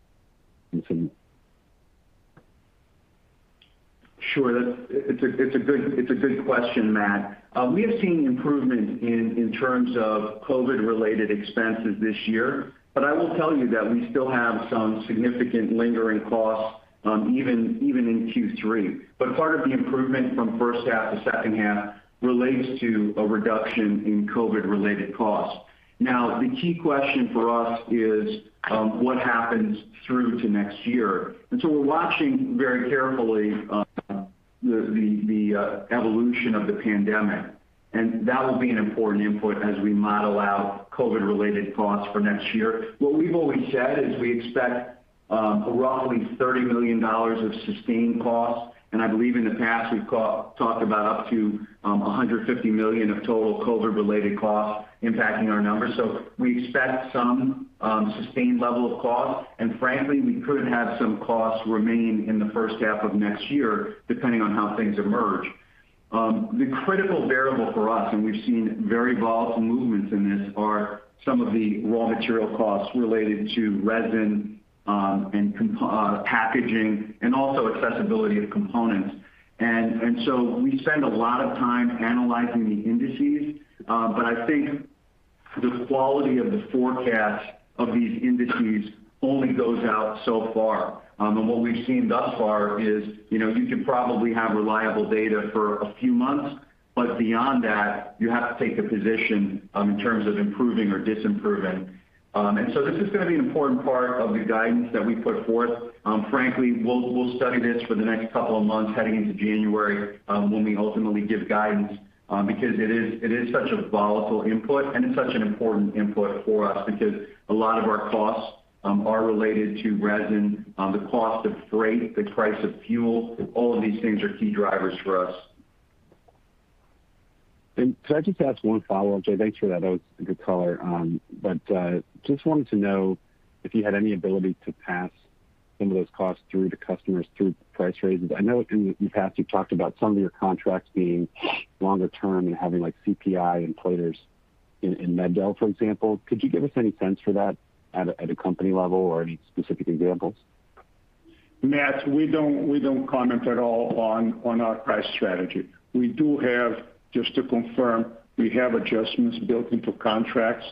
Sure. That's a good question, Matt. We have seen improvement in terms of COVID-related expenses this year. But I will tell you that we still have some significant lingering costs, even in Q3. But part of the improvement from first half to second half relates to a reduction in COVID-related costs. Now, the key question for us is what happens through to next year. We're watching very carefully the evolution of the pandemic, and that will be an important input as we model out COVID-related costs for next year. What we've always said is we expect roughly $30 million of sustained costs, and I believe in the past, we've talked about up to $150 million of total COVID-related costs impacting our numbers. We expect some sustained level of costs, and frankly, we could have some costs remain in the first half of next year, depending on how things emerge. The critical variable for us, and we've seen very volatile movements in this, are some of the raw material costs related to resin, and packaging and also accessibility of components. We spend a lot of time analyzing the indices, but I think the quality of the forecast of these indices only goes out so far. What we've seen thus far is, you know, you can probably have reliable data for a few months, but beyond that, you have to take a position in terms of improving or disimproving. This is gonna be an important part of the guidance that we put forth. Frankly, we'll study this for the next couple of months heading into January, when we ultimately give guidance, because it is such a volatile input, and it's such an important input for us because a lot of our costs are related to resin, the cost of freight, the price of fuel. All of these things are key drivers for us.
Could I just ask one follow-up, Jay? Thanks for that. That was a good color. But just wanted to know if you had any ability to pass some of those costs through to customers through price raises. I know in the past you've talked about some of your contracts being longer term and having, like, CPI and players in Medel, for example. Could you give us any sense for that at a company level or any specific examples?
Matt, we don't comment at all on our price strategy. We do have, just to confirm, adjustments built into contracts,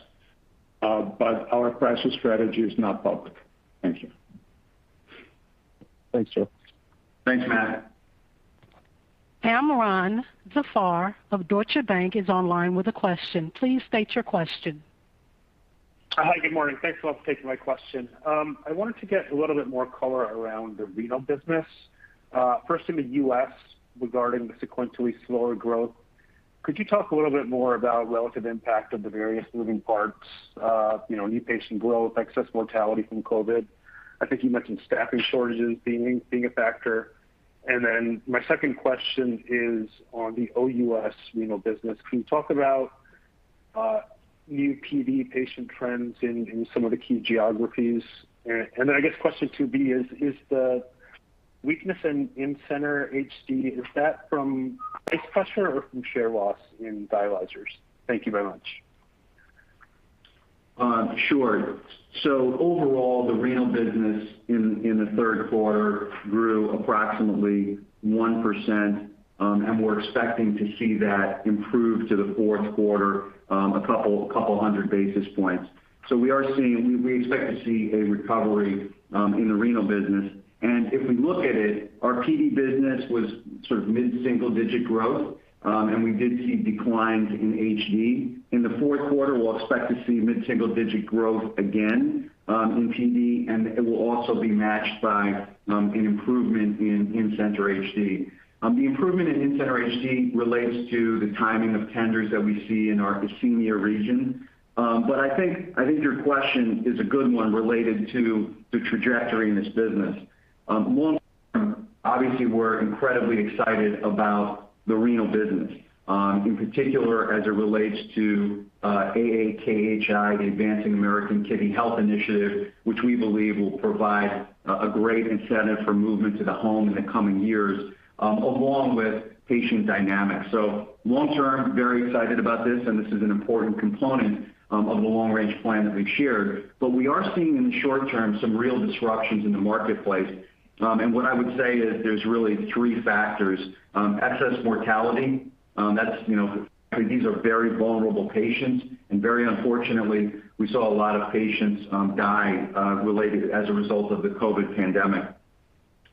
but our pricing strategy is not public. Thank you.
Thanks, Joe.
Thanks, Matt.
[AUDIO DISTORTION] of Deutsche Bank is online with a question. Please state your question.
Hi, good morning. Thanks a lot for taking my question. I wanted to get a little bit more color around the renal business. First in the U.S. regarding the sequentially slower growth. Could you talk a little bit more about relative impact of the various moving parts, you know, new patient growth, excess mortality from COVID? I think you mentioned staffing shortages being a factor. My second question is on the OUS renal business. Can you talk about new PD patient trends in some of the key geographies? I guess question two B is the weakness in in-center HD, is that from price pressure or from share loss in dialyzers? Thank you very much.
Sure. Overall, the renal business in the third quarter grew approximately 1%, and we're expecting to see that improve to the fourth quarter, a couple of hundred basis points. We expect to see a recovery in the renal business. If we look at it, our PD business was sort of mid-single digit growth, and we did see declines in HD. In the fourth quarter, we'll expect to see mid-single-digit growth again in PD, and it will also be matched by an improvement in in-center HD. The improvement in in-center HD relates to the timing of tenders that we see in our EMEA region. I think your question is a good one related to the trajectory in this business. Long-term, obviously, we're incredibly excited about the renal business, in particular as it relates to AAKHI, the Advancing American Kidney Health Initiative, which we believe will provide a great incentive for movement to the home in the coming years, along with patient dynamics. Long term, very excited about this, and this is an important component of the long-range plan that we've shared. We are seeing in the short-term some real disruptions in the marketplace. What I would say is there's really three factors. Excess mortality, that's you know these are very vulnerable patients, and very unfortunately, we saw a lot of patients die related as a result of the COVID pandemic.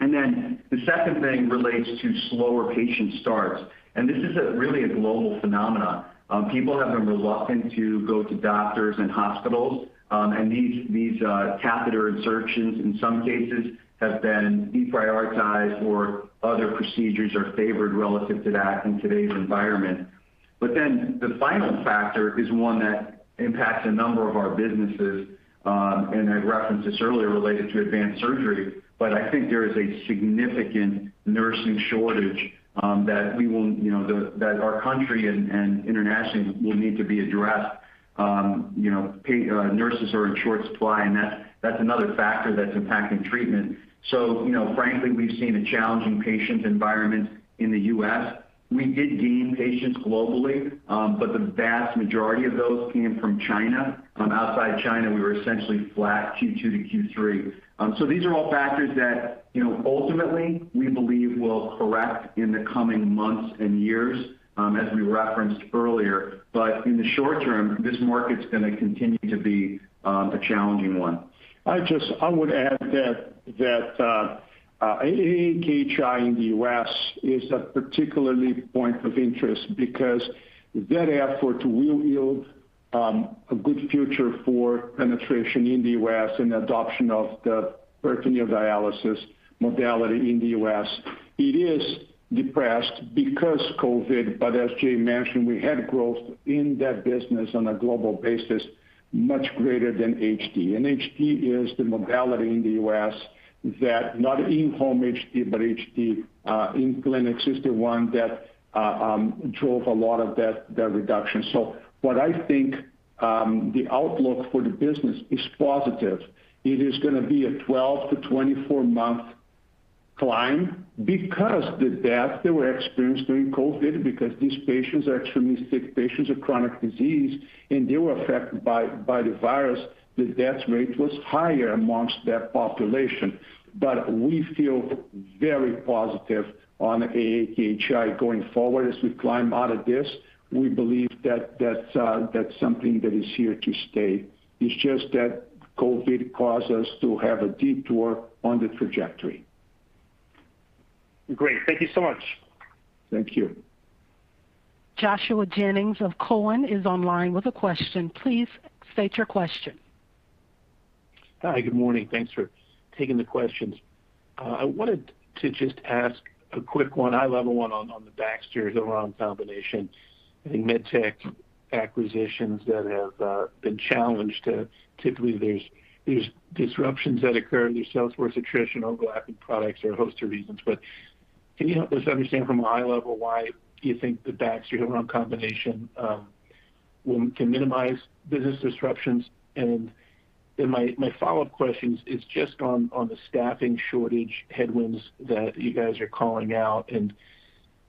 Then the second thing relates to slower patient starts. This is really a global phenomenon. People have been reluctant to go to doctors and hospitals, and these catheter insertions in some cases have been deprioritized or other procedures are favored relative to that in today's environment. The final factor is one that impacts a number of our businesses, and I referenced this earlier related to Advanced Surgery, but I think there is a significant nursing shortage that our country and internationally will need to be addressed. You know, nurses are in short supply, and that's another factor that's impacting treatment. You know, frankly, we've seen a challenging patient environment in the U.S. We did gain patients globally, but the vast majority of those came from China. Outside China, we were essentially flat Q2 to Q3. These are all factors that, you know, ultimately, we believe will correct in the coming months and years, as we referenced earlier. In the short-term, this market's gonna continue to be, a challenging one.
I would add that AAKHI in the U.S. is a particular point of interest because that effort will yield a good future for penetration in the U.S. and adoption of the peritoneal dialysis modality in the U.S. It is depressed because COVID, but as Jay mentioned, we had growth in that business on a global basis much greater than HD. HD is the modality in the U.S. that, not in-home HD, but HD in clinic is the one that drove a lot of that reduction. What I think the outlook for the business is positive. It is going to be a 12-24 month climb because the deaths that were experienced during COVID, because these patients are extremely sick patients with chronic disease, and they were affected by the virus. The death rate was higher among that population. We feel very positive on AAKHI going forward. As we climb out of this, we believe that that's something that is here to stay. It's just that COVID caused us to have a deep dip on the trajectory.
Great. Thank you so much.
Thank you.
Joshua Jennings of Cowen is online with a question. Please state your question.
Hi. Good morning. Thanks for taking the questions. I wanted to just ask a quick one, high-level one on the Baxter Hillrom combination. I think med tech acquisitions that have been challenged typically there's disruptions that occur, there's sales force attrition, overlapping products or a host of reasons. Can you help us understand from a high level why you think the Baxter Hillrom combination can minimize business disruptions? Then my follow-up question is just on the staffing shortage headwinds that you guys are calling out and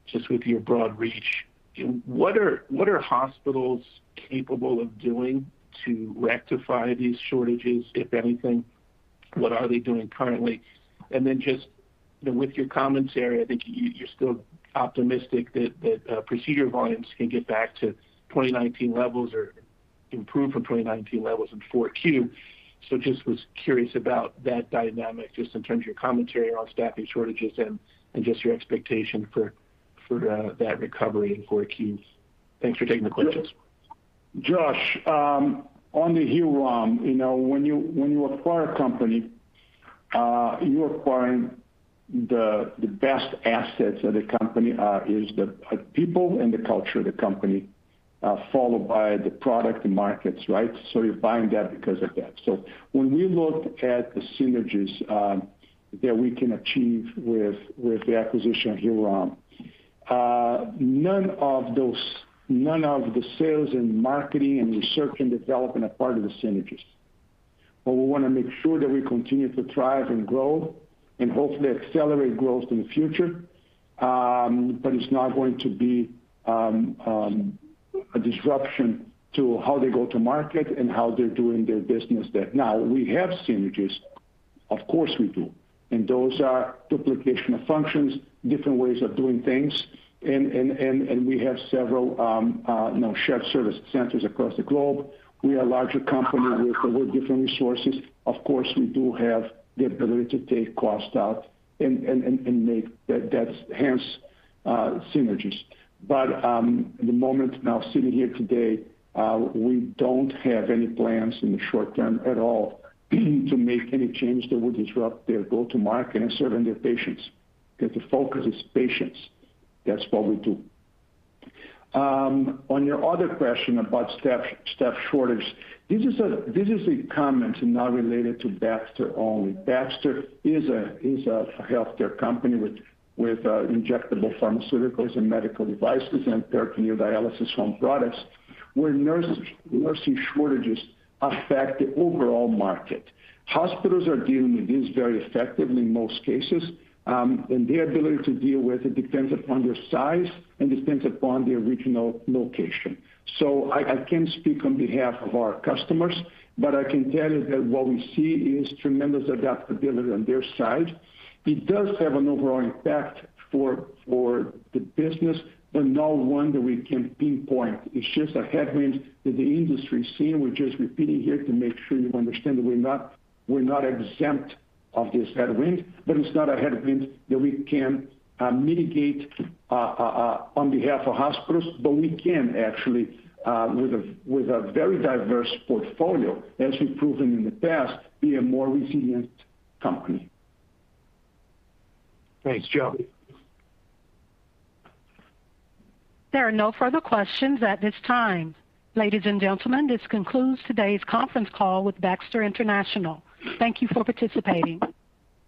just with your broad reach, what are hospitals capable of doing to rectify these shortages, if anything? What are they doing currently? Then just, you know, with your commentary, I think you're still optimistic that procedure volumes can get back to 2019 levels or improve from 2019 levels in 4Q. I was just curious about that dynamic, just in terms of your commentary on staffing shortages and just your expectation for that recovery in 4Q. Thanks for taking the questions.
Josh, on the Hillrom, you know, when you acquire a company, you acquire the best assets of the company, is the people and the culture of the company, followed by the product and markets, right? You're buying that because of that. When we look at the synergies that we can achieve with the acquisition of Hillrom, none of the sales and marketing and research and development are part of the synergies. We want to make sure that we continue to thrive and grow and hopefully accelerate growth in the future. It's not going to be a disruption to how they go to market and how they're doing their business there. Now we have synergies, of course we do. Those are duplication of functions, different ways of doing things. We have several, you know, shared service centers across the globe. We are larger company with different resources. Of course, we do have the ability to take cost out and make that's hence synergies. At the moment now sitting here today, we don't have any plans in the short-term at all to make any change that would disrupt their go-to-market and serving their patients, because the focus is patients. That's what we do. On your other question about staff shortage, this is a comment and not related to Baxter only. Baxter is a healthcare company with injectable pharmaceuticals and medical devices and peritoneal dialysis home products, where nursing shortages affect the overall market. Hospitals are dealing with this very effectively in most cases, and their ability to deal with it depends upon their size and depends upon the original location. I can't speak on behalf of our customers, but I can tell you that what we see is tremendous adaptability on their side. It does have an overall impact for the business, but not one that we can pinpoint. It's just a headwind that the industry is seeing. We're just repeating here to make sure you understand that we're not exempt of this headwind, but it's not a headwind that we can mitigate on behalf of hospitals. We can actually with a very diverse portfolio, as we've proven in the past, be a more resilient company.
Thanks, Joe.
There are no further questions at this time. Ladies and gentlemen, this concludes today's conference call with Baxter International. Thank you for participating.